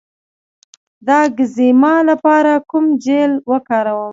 د اکزیما لپاره کوم جیل وکاروم؟